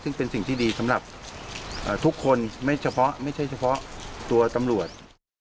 ซึ่งเป็นสิ่งที่ดีสำหรับทุกคนไม่เฉพาะไม่ใช่เฉพาะตัวตำรวจ